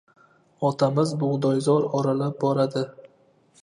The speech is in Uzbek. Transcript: Otamiz bug‘doyzor oralab boradi.